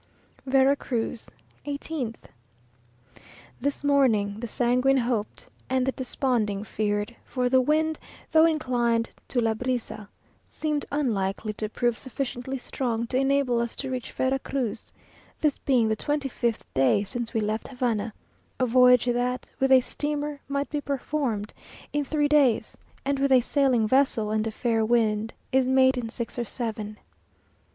VERA CRUZ, 18th. This morning, the sanguine hoped, and the desponding feared, for the wind, though inclined to la brisa, seemed unlikely to prove sufficiently strong to enable us to reach Vera Cruz this being the twenty fifth day since we left Havana; a voyage that, with a steamer, might be performed in three days, and with a sailing vessel and a fair wind, is made in six or seven.